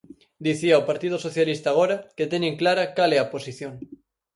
Dicía o Partido Socialista agora que teñen clara cal é a posición.